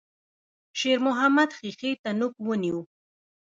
شېرمحمد ښيښې ته نوک ونيو.